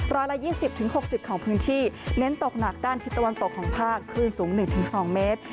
ร้อยละ๒๐๖๐ของพื้นที่เน้นตกหนักด้านทิศตะวันตกของภาคคลื่นสูง๑๒เมตร